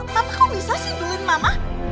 papa kok bisa sih beliin mama